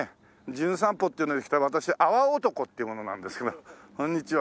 『じゅん散歩』っていうので来た私泡男っていう者なんですけどこんにちは。